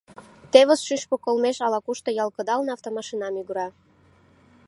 Тевыс, шӱшпык олмеш ала-кушто ял кыдалне автомашина мӱгыра.